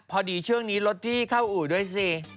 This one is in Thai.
พอดีช่วงนี้รถพี่เข้าอู่ด้วยสิ